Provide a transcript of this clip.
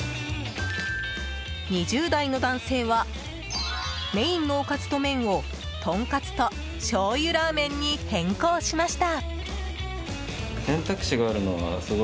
２０代の男性はメインのおかずと麺をトンカツとしょうゆラーメンに変更しました。